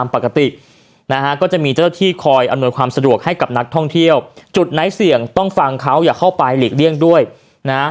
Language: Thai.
ปกตินะฮะก็จะมีเจ้าที่คอยอำนวยความสะดวกให้กับนักท่องเที่ยวจุดไหนเสี่ยงต้องฟังเขาอย่าเข้าไปหลีกเลี่ยงด้วยนะฮะ